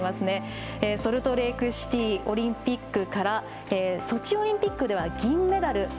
ソルトレークシティーオリンピックからソチオリンピックでは銀メダル。